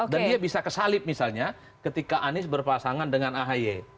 dan dia bisa kesalip misalnya ketika anis berpasangan dengan ahaye